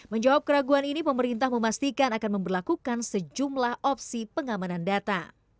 menjawab keraguan ini pemerintah memastikan akan memperlakukan sejumlah opsi pengamanan data